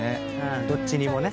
どっちにもね。